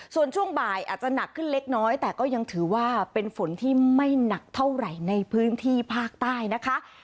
ส่วนช่วงบ่ายอาจจะหนักขึ้นเล็กน้อยแต่ก็ยังถือว่าเป็นฝนที่ไม่หนักเท่าไหร่ในพื้นที่ภาคใต้นะคะ